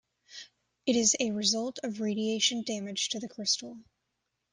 It is a result of radiation damage to the crystal.